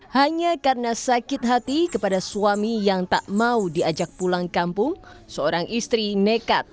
hanya karena sakit hati kepada suami yang tak mau diajak pulang kampung seorang istri nekat